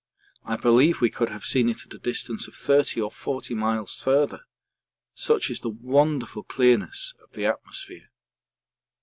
I believe we could have seen it at a distance of 30 or 40 miles farther such is the wonderful clearness of the atmosphere.